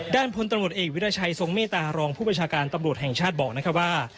พลตำรวจเอกวิราชัยทรงเมตตารองผู้ประชาการตำรวจแห่งชาติบอกนะครับว่า